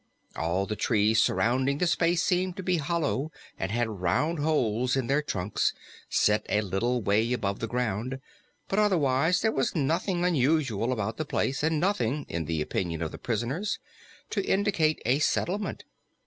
All the trees surrounding this space seemed to be hollow and had round holes in their trunks, set a little way above the ground, but otherwise there was nothing unusual about the place and nothing, in the opinion of the prisoners, to indicate a settlement.